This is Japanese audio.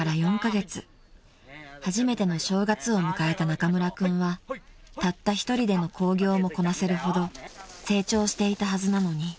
［初めての正月を迎えた中村君はたった一人での興行もこなせるほど成長していたはずなのに］